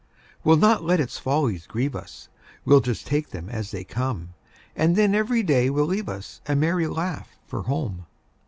We'll not let its follies grieve us, We'll just take them as they come; And then every day will leave us A merry laugh for home.